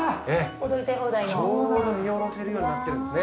ちょうど見下ろせるようになってるんですね。